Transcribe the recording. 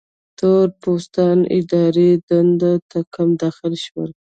تور پوستان اداري دندو ته کم داخل شول.